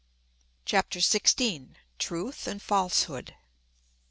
CHAPTER XVI. TRUTH AND FALSEHOOD.